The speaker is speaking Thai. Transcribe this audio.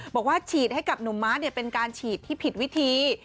บอกว่าฉีดให้กับหนุ่มม้าเป็นการฉีดที่ผิดวิธี